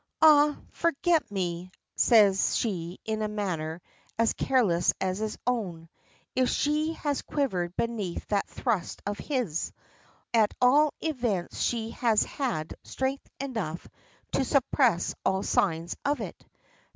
"Ah! forget me," says she in a manner as careless as his own. If she has quivered beneath that thrust of his, at all events she has had strength enough to suppress all signs of it.